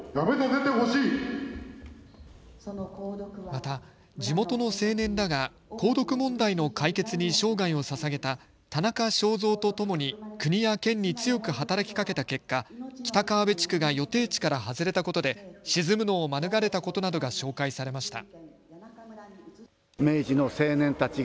また、地元の青年らが鉱毒問題の解決に生涯をささげた田中正造とともに国や県に強く働きかけた結果、北川辺地区が予定地から外れたことで沈むのを免れたことなどが紹介されました。